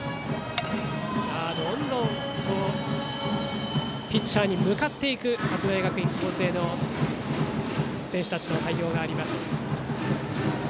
どんどんピッチャーに向かう八戸学院光星の選手たちの対応があります。